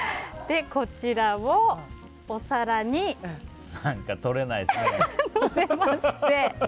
こちらをお皿にのせまして。